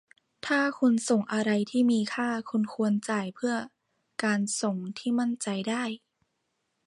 ถ้าคุณส่งอะไรที่มีค่า คุณควรจ่ายเพื่อการส่งที่มั่นใจได้